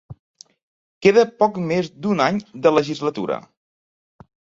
Queda poc més d’un any de legislatura.